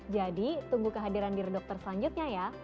jadi tunggu kehadiran dear dokter selanjutnya ya